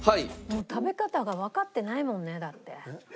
もう食べ方がわかってないもんねだって。